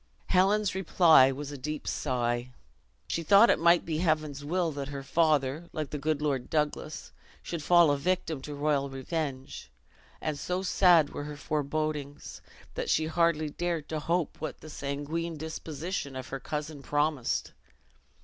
Helen's reply was a deep sigh: she though it might be Heaven's will that her father, like the good Lord Douglas, should fall a victim to royal revenge; and so sad were her forebodings, that she hardly dared to hope what the sanguine disposition of her cousin promised.